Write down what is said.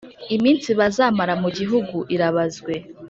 iminsi bazamara mu gihugu irabazwe